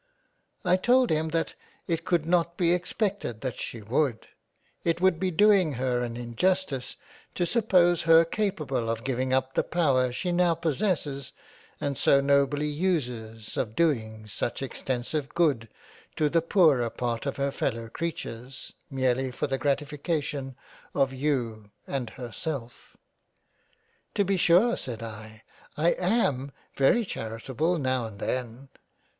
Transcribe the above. I told him that it could not be expected that she would ; it would be doing her an injustice to suppose her capable of giving up the power she now possesses and so nobly uses of doing such extensive Good to the poorer part of her fellow Creatures, merely for the gratification of you and herself." " To be sure said I, I am very Charitable every now and then.